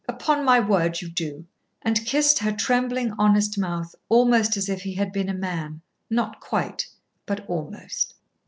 "Upon my word you do." And kissed her trembling honest mouth almost as if he had been a man not quite but almost.